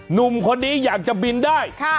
หนุ่มคนนี้อยากจะบินได้